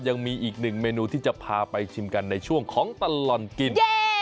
ยังมีอีกหนึ่งเมนูที่จะพาไปชิมกันในช่วงของตลอดกิน